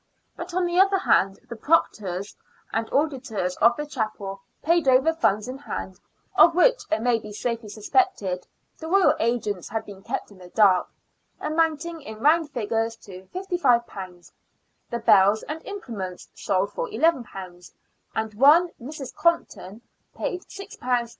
But, on the other hand, the proctors and auditors of the chapel paid over funds in hand (of which, it may be safely suspected, the royal agents had been kept in the dark) amounting in round figures to £55 ; the bells and implements sold for £11 ; and one, Mrs. Compton, paid £6 13s.